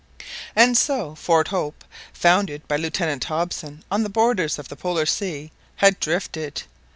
And so Fort Hope, founded by Lieutenant Hobson on the borders of the Polar Sea, had drifted!